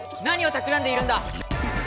何をたくらんでいるんだ